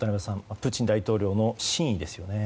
プーチン大統領の真意ですよね。